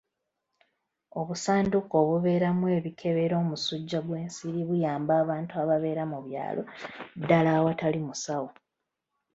Obusanduuko obubeeramu ebikebera omusujja gw'ensiri buyamba abantu ababeera mu byalo ddaala awatali musawo.